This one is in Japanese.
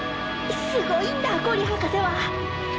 すごいんだ五里博士は！